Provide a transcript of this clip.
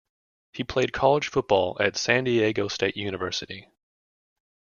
He played college football at San Diego State University.